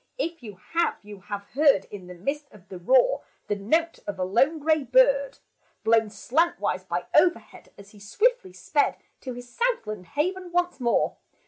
If you have, you have heard In the midst of the roar, The note of a lone gray bird, Blown slantwise by overhead As he swiftly sped To his south land haven once more